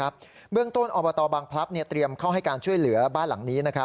เบื้องต้นอบตบางพลับเตรียมเข้าให้การช่วยเหลือบ้านหลังนี้